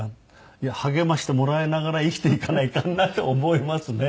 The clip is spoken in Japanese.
いや励ましてもらいながら生きていかないかんなって思いますね。